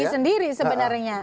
rugi sendiri sebenarnya